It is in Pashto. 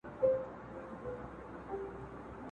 هر گړی ځانته د امن لوری گوري٫